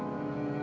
ya allah ya tuhan